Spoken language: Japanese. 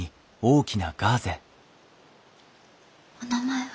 お名前は？